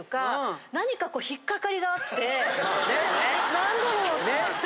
何だろう。